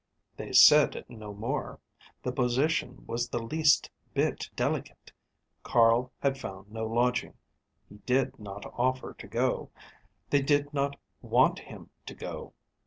They said no more. The position was the least bit delicate. Carl had found no lodging. He did not offer to go. They did not want him to go.